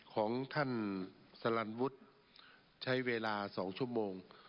ของท่านสลันวุฒิใช้เวลา๒ชั่วโมง